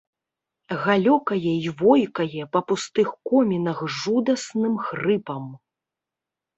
Галёкае і войкае па пустых комінах жудасным хрыпам.